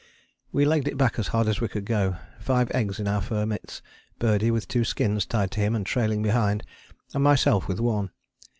We legged it back as hard as we could go: five eggs in our fur mitts, Birdie with two skins tied to him and trailing behind, and myself with one.